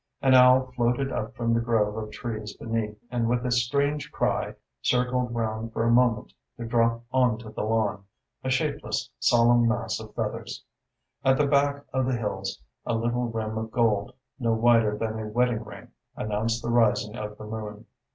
An owl floated up from the grove of trees beneath and with a strange cry circled round for a moment to drop on to the lawn, a shapeless, solemn mass of feathers. At the back of the hills a little rim of gold, no wider than a wedding ring, announced the rising of the moon.